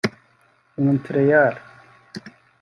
Montreal